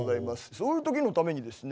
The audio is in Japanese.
そういう時のためにですね